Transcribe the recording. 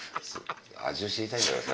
味を知りたいんだからさ